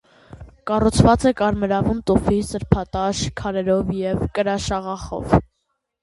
Կառուցված է կարմրավուն տուֆի սրբատաշ քարերով և կրաշաղախով։